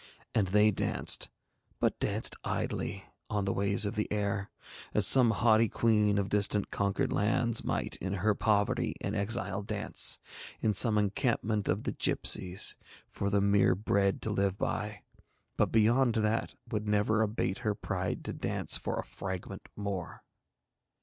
And they danced, but danced idly, on the ways of the air, as some haughty queen of distant conquered lands might in her poverty and exile dance, in some encampment of the gipsies, for the mere bread to live by, but beyond that would never abate her pride to dance for a fragment more.